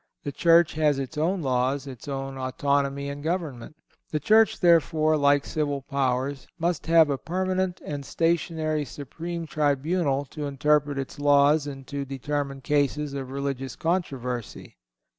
The Church has its own laws, its own autonomy and government. The Church, therefore, like civil powers, must have a permanent and stationary supreme tribunal to interpret its laws and to determine cases of religious controversy.